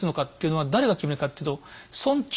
誰が決めるかっていうと村長！